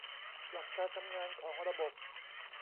หลักการทำงานของระบบ